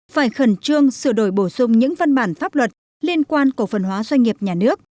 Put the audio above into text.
phải khẩn trương sửa đổi bổ sung những văn bản pháp luật liên quan cổ phần hóa doanh nghiệp nhà nước